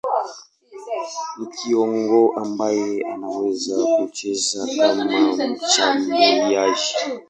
Ni kiungo ambaye anaweza kucheza kama mshambuliaji.